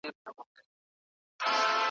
د عقل بندیوانو د حساب کړۍ ماتېږي